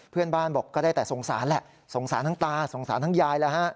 เพื่อนบ้านบอกก็ได้แต่สงสารแหละสงสารทั้งตาสงสารทั้งยายแล้วฮะ